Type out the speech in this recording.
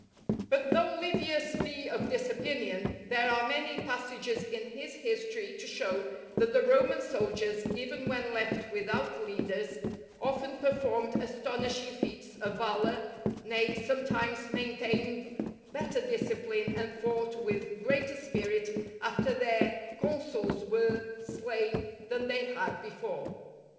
But though Livius be of this opinion, there are many passages in his history to show that the Roman soldiers, even when left without leaders, often performed astonishing feats of valour, nay, sometimes maintained better discipline and fought with greater spirit after their consuls were slain than they had before.